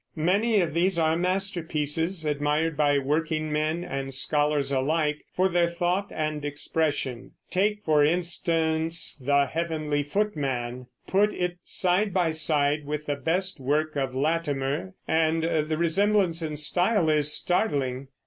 Many of these are masterpieces, admired by workingmen and scholars alike for their thought and expression. Take, for instance, "The Heavenly Footman," put it side by side with the best work of Latimer, and the resemblance in style is startling.